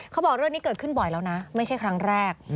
เขาบอกเรื่องนี้เกิดขึ้นบ่อยแล้วนะไม่ใช่ครั้งแรก